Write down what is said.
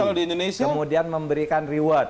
kalau di indonesia kemudian memberikan reward